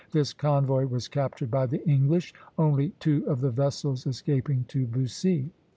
This convoy was captured by the English, only two of the vessels escaping to Bussy.